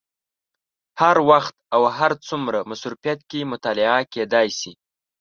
هر وخت او هر څومره مصروفیت کې مطالعه کېدای شي.